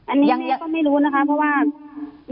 อันนี้แม่ก็ไม่รู้นะคะเพราะว่าแม่แยกมาอีกห้องนึง